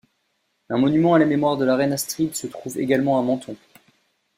Un monument à la mémoire de la reine Astrid se trouve également à Menton.